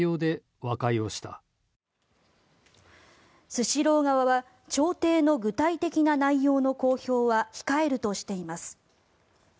スシロー側は調停の具体的な内容の公表は控えるとしています。